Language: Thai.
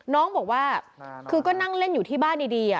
น้องบอกว่าคือก็นั่งเล่นอยู่ที่บ้านดี